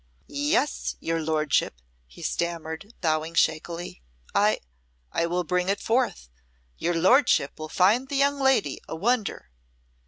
"Yes, your lordship," he stammered, bowing shakily, "I I will bring it forth. Your lordship will find the young lady a wonder."